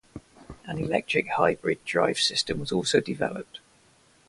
An electric-hybrid drive system was also developed.